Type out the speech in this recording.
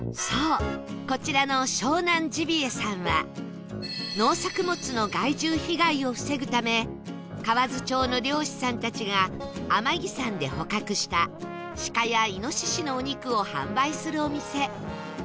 そうこちらの湘南じびえさんは農作物の害獣被害を防ぐため河津町の猟師さんたちが天城山で捕獲した鹿や猪のお肉を販売するお店